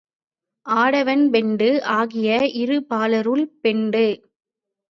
ஆடவன் பெண்டு ஆகிய இருபாலருள், பெண்டு